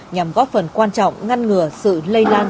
nhằm góp phần quan trọng ngăn ngừa sự lây lan